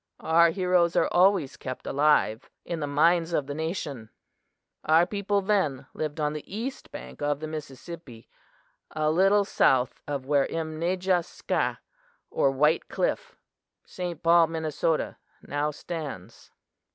Our heroes are always kept alive in the minds of the nation. "Our people lived then on the east bank of the Mississippi, a little south of where Imnejah skah, or White Cliff (St. Paul, Minnesota), now stands.